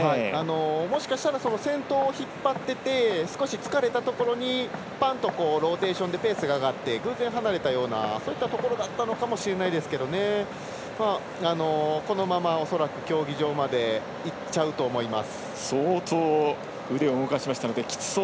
もしかしたら先頭を引っ張ってて少し疲れたところでローテーションでペースが上がってそれで離れたようなそういったところだったのかもしれないですがこのまま恐らく競技場までいっちゃうと思います。